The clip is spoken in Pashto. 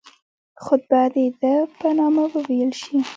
خطبه دي د ده په نامه وویل شي.